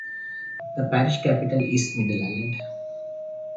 The parish capital is Middle Island.